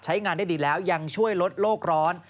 ใช้งานได้ดีแล้วยังช่วยลดโลกร้อน